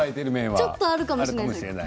ちょっとあるかもしれませんね。